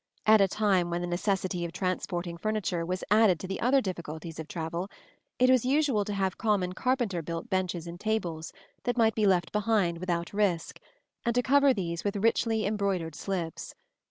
At a time when the necessity of transporting furniture was added to the other difficulties of travel, it was usual to have common carpenter built benches and tables, that might be left behind without risk, and to cover these with richly embroidered slips.